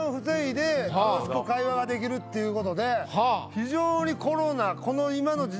会話ができるっていう事で非常にコロナ。